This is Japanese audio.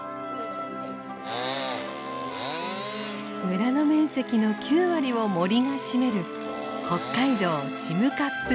村の面積の９割を森が占める北海道占冠村。